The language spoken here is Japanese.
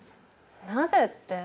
なぜって。